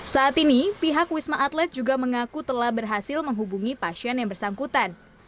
saat ini pihak wisma atlet juga mengaku telah berhasil menghubungi pasien yang bersangkutan